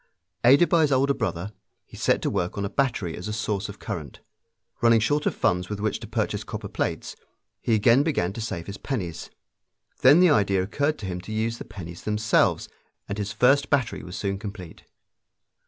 Aided by his older brother, he set to work on a battery as a source of current. Running short of funds with which to purchase copper plates, he again began to save his pennies. Then the idea occurred to him to use the pennies themselves, and his first battery was soon complete.